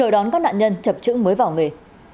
đón các nạn nhân chập chững mới vào nghề